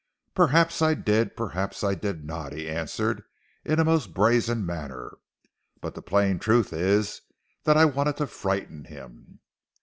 "Perhaps I did, perhaps I did not," he answered in a most brazen manner, "but the plain truth is that I wanted to frighten him.